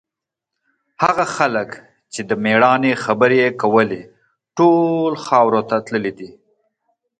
هغه خلک چې د مېړانې خبرې یې کولې، ټول خاورو ته تللي دي.